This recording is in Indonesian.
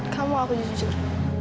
kamu aku jujur